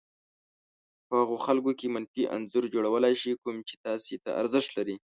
په هغو خلکو کې منفي انځور جوړولای شي کوم چې تاسې ته ارزښت لري.